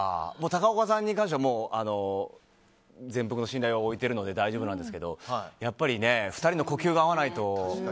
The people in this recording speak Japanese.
高岡さんに関しては全幅の信頼を置いてるので大丈夫なんですけどやっぱり２人の呼吸が合わないと。